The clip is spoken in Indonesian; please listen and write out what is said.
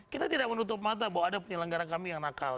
kita tidak menutup mata bahwa ada penyelenggara kami yang nakal